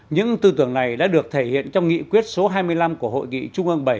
những tư tưởng này đã được thể hiện trong nghị quyết số hai mươi năm của hội nghị trung ương bảy